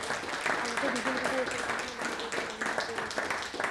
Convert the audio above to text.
অন্যথায় দুই সমিতির সদস্যরা কারখানা বন্ধ করে দেবেন—এমন হুমকিও দেন সভাপতি।